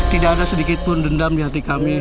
tidak ada sedikitpun dendam di hati kami